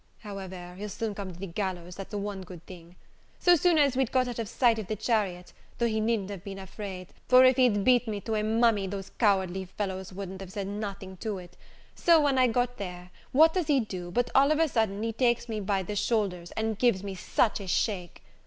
however, he'll come to the gallows, that's one good thing. So soon as we'd got out of sight of the chariot, though he needn't have been afraid, for if he'd beat me to a mummy, those cowardly fellows wouldn't have said nothing to it so, when I was got there, what does he do, but all of a sudden he takes me by both the shoulders, and he gives me such a shake!